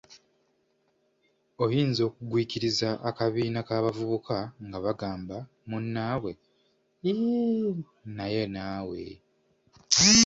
Oyinza okugwikiriza akabiina k'abavubuka nga bagamba munnnaabwe " Iiii naye naawe"